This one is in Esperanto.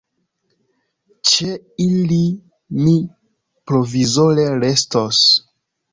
Ĉe ili mi provizore restos.